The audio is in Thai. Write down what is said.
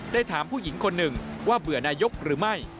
ถามผู้หญิงคนหนึ่งว่าเบื่อนายกหรือไม่